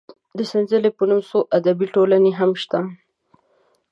د سنځلې په نوم څو ادبي ټولنې هم شته.